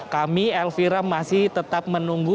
kami elvira masih tetap menunggu